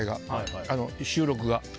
収録が。